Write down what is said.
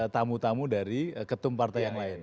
tamu tamu dari ketum partai yang lain